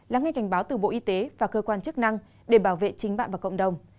lắng nghe cảnh báo từ bộ y tế và cơ quan chức năng để bảo vệ chính bạn và cộng đồng